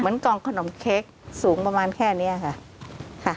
เหมือนกล่องขนมเค้กสูงประมาณแค่นี้ค่ะ